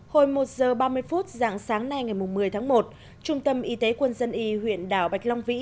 hồi một giờ ba mươi phút dạng sáng nay ngày một mươi tháng một trung tâm y tế quân dân y huyện đảo bạch long vĩ